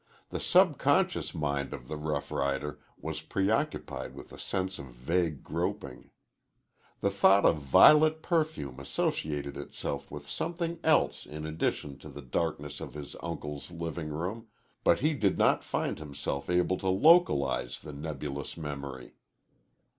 The subconscious mind of the rough rider was preoccupied with a sense of a vague groping. The thought of violet perfume associated itself with something else in addition to the darkness of his uncle's living room, but he did not find himself able to localize the nebulous memory.